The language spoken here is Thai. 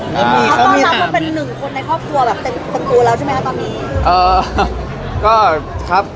เขามีถามไหมครับ